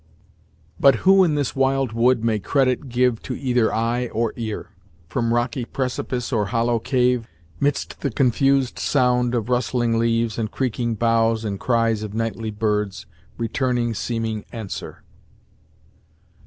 "But who in this wild wood May credit give to either eye, or ear? From rocky precipice or hollow cave, 'Midst the confused sound of rustling leaves, And creaking boughs, and cries of nightly birds, Returning seeming answer!"